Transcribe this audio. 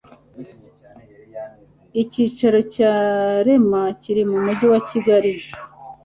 icyicaro cya rema kiri mu mujyi wa kigali